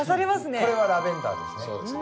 これはラベンダーですね。